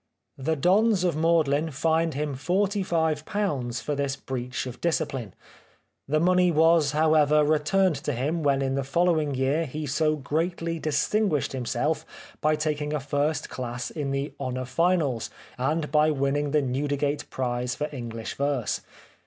The Dons of Magdalen fined him forty five pounds for this breach of discipline. The money was, however, returned to him when in the following year he so greatly distinguished himself by taking a First Class in the " Honour Finals," and by winning the Newdigate Prize for English Verse.